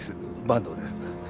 坂東です。